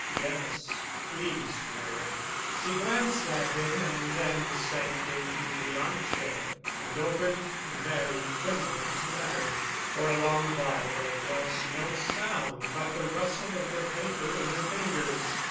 "Yes, please, Moira." She glanced at him and then sank into the armchair and opened Barry Quinlevin's letter. For a long while there was no sound but the rustle of the paper in her fingers.